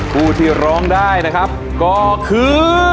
ผู้ที่ร้องได้นะครับก็คือ